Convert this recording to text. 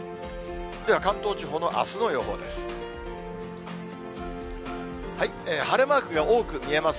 では関東地方のあすの予報です。